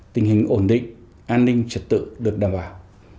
tình hình ổn định an ninh trật tự được đảm bảo